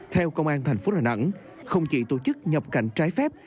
theo công an thành phố đà nẵng không chỉ tổ chức nhập cảnh trái phép